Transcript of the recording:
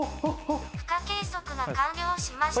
負荷計測が完了しました。